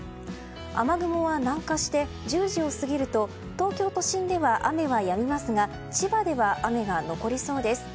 雨雲は南下して１０時を過ぎると東京都心では雨はやみますが千葉では雨が残りそうです。